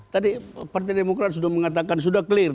tadi partai demokrat sudah mengatakan sudah clear